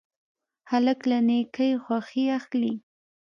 هلک له نیکۍ خوښي اخلي.